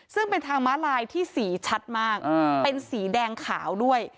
ซึ่งเป็นทางม้าลายที่สีชัดมากเป็นสีแดงขาวด้วย